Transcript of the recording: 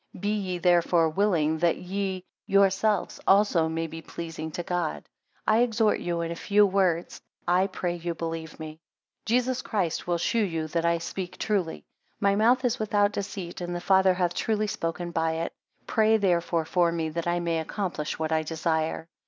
Be ye therefore willing, that ye yourselves also maybe pleasing to God. I exhort you in a few words; I pray you believe me. 7 Jesus Christ will shew you that I speak truly. My mouth is without deceit, and the Father hath truly spoken by it. Pray therefore for me, that I may accomplish what I desire.